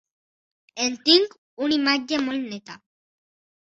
En tinc una imatge molt neta.